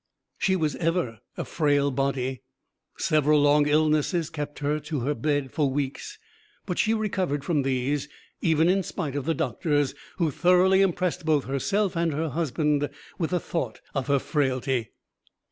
She was ever a frail body. Several long illnesses kept her to her bed for weeks, but she recovered from these, even in spite of the doctors, who thoroughly impressed both herself and her husband with the thought of her frailty.